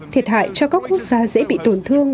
thiệt hại cho các quốc gia dễ bị tổn thương